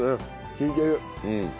利いてる。